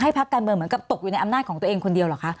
พักการเมืองเหมือนกับตกอยู่ในอำนาจของตัวเองคนเดียวเหรอคะ